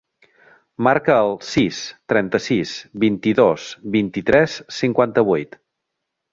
Marca el sis, trenta-sis, vint-i-dos, vint-i-tres, cinquanta-vuit.